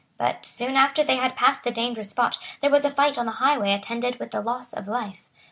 But, soon after they had passed the dangerous spot, there was a fight on the highway attended with loss of life.